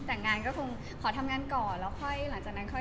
แต่งงานก็คงขอทำงานก่อนแล้วขอยตัดสินใจกันว่าจะเอายังไง